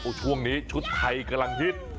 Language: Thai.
ช่วงนี้ชุดไทยกำลังฮิต